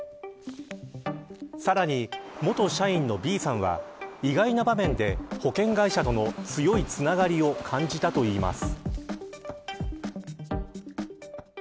さらに元社員のＢさんは意外な場面で保険会社との強いつながりを感じたといいます。